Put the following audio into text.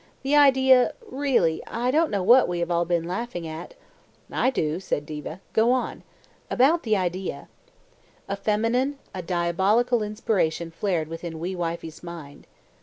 "The idea really, I don't know what we have all been laughing at " "I do," said Diva. "Go on. About the idea " A feminine, a diabolical inspiration flared within wee wifie's mind.